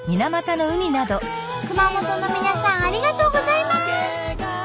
熊本の皆さんありがとうございます！